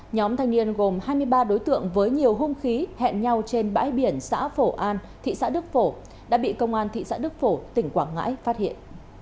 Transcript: nhóm thanh niên gồm hai mươi ba đối tượng với nhiều hung khí hẹn nhau trên bãi biển xã phổ an thị xã đức phổ đã bị công an thị xã đức phổ tỉnh quảng ngãi phát hiện